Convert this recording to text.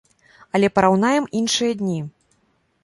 Але параўнаем іншыя дні.